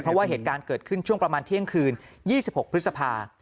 เพราะว่าเหตุการณ์เกิดขึ้นช่วงประมาณเที่ยงคืน๒๖พฤษภา